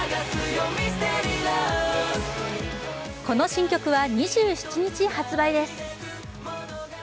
この新曲は２７日発売です。